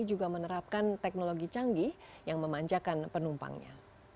juga menerapkan teknologi canggih yang memanjakan penumpangnya